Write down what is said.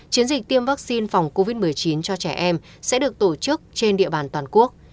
chiến dịch tiêm vaccine phòng covid một mươi chín cho trẻ em sẽ được tổ chức trên địa bàn toàn quốc